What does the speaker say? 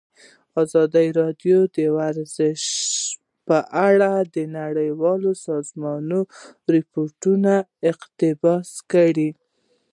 ازادي راډیو د ورزش په اړه د نړیوالو سازمانونو راپورونه اقتباس کړي.